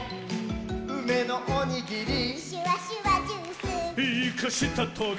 「うめのおにぎり」「シュワシュワジュース」「イカしたトゲ」